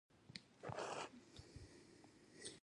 مومن خان او ریډي ګل خان ور رهي شول.